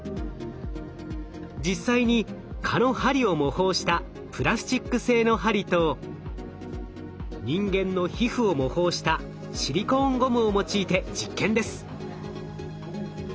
実際に蚊の針を模倣したプラスチック製の針と人間の皮膚を模倣したシリコーンゴムを用いて実験です。